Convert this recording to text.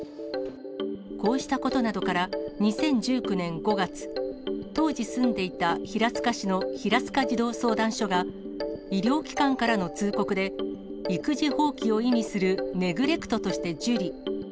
こうしたことなどから、２０１９年５月、当時住んでいた平塚市の平塚児童相談所が、医療機関からの通告で、育児放棄を意味するネグレクトとして受理。